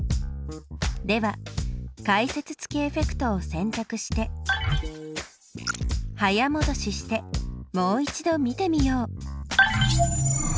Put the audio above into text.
では解説付きエフェクトをせんたくして早もどししてもう一度見てみよう。